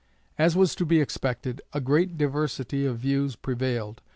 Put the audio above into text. As was to be expected, a great diversity of views prevailed.